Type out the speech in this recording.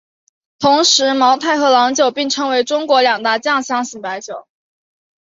同时茅台和郎酒并称为中国两大酱香型白酒。